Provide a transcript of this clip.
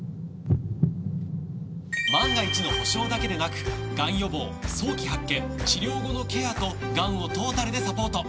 万が一の保障だけでなくがん予防早期発見治療後のケアとがんをトータルでサポート！